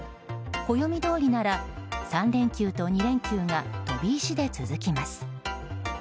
暦どおりなら３連休と２連休が飛び石で続きます。